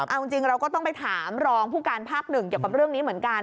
เอาจริงเราก็ต้องไปถามรองผู้การภาคหนึ่งเกี่ยวกับเรื่องนี้เหมือนกัน